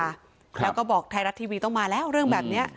แล้วก็บอกไทยรัฐทีวีต้องมาแล้วเรื่องแบบนี้